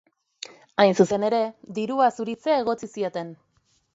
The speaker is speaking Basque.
Hain zuzen ere, dirua zuritzea egotzi zieten.